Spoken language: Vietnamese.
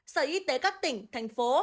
sở y tế các tỉnh thành phố